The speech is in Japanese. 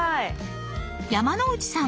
山之内さん